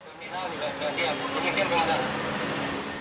terminal juga sudah siap kemudian kemana